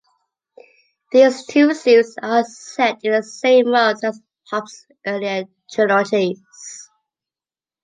These two series are set in the same world as Hobb's earlier trilogies.